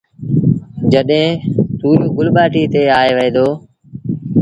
جڏهيݩ تُوريو گل ٻآٽيٚ تي آئي وهي دو